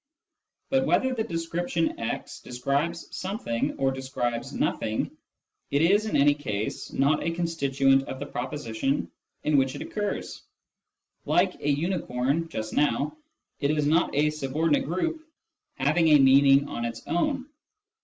But whether the description " x " describes something or describes nothing, it is in any case not a constituent of the proposition in which it occurs ; like " a unicorn " just now, it is not a subordinate group having a meaning of its own.